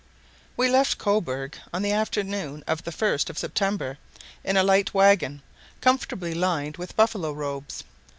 We left Cobourg on the afternoon of the 1st of September in a light waggon, comfortably lined with buffalo robes.